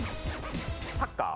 サッカー？